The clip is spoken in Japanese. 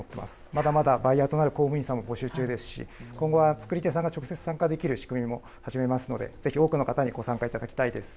まだまだバイヤーとなる公務員さんも募集中ですし、今後は作り手さんが直接参加できる仕組みも始めますので、ぜひ多くの方にご参加いただきたいです。